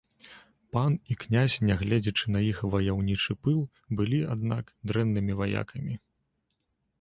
Пан і князь, нягледзячы на іх ваяўнічы пыл, былі, аднак, дрэннымі ваякамі.